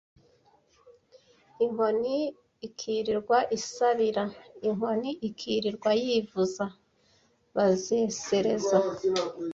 Inkoni ikirirwa isabira: Inkoni ikirirwa yivuza, bazesereza.